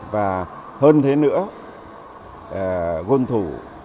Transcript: và hơn thế nữa gôn thủ